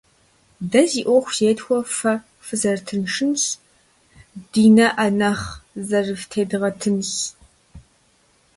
Дэ зи Ӏуэху зетхуэр фэ фызэрытыншынщ, ди нэӀэ нэхъ зэрыфтедгъэтынщ.